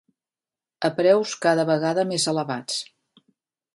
A preus cada vegada més elevats